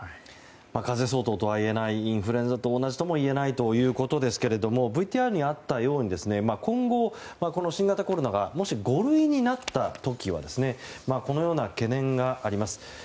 風邪相当ともインフルエンザと同じともいえないということですがＶＴＲにあったように今後、新型コロナがもし五類になった時はこのような懸念があります。